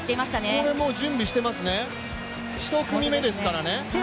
ここで準備してますね、１組目ですからね。